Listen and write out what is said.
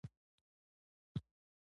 امام بخاري رحمه الله په الأدب المفرد کي